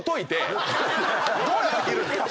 どうやって着るんですか